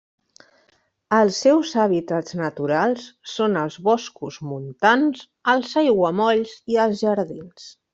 Els seus hàbitats naturals són els boscos montans, els aiguamolls i els jardins.